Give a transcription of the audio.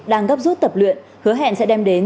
đang gấp rút tập luyện hứa hẹn sẽ đem đến